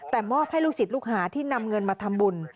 แต่มอบให้ลูกศิษย์ลูกหาที่นำเงินมาทำบุญ